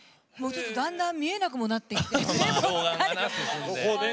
だんだん見えなくもなってきてて。